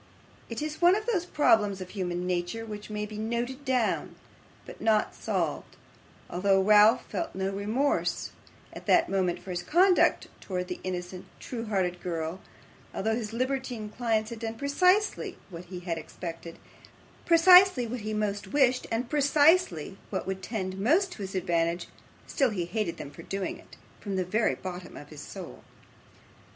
It is one of those problems of human nature, which may be noted down, but not solved; although Ralph felt no remorse at that moment for his conduct towards the innocent, true hearted girl; although his libertine clients had done precisely what he had expected, precisely what he most wished, and precisely what would tend most to his advantage, still he hated them for doing it, from the very bottom of his soul.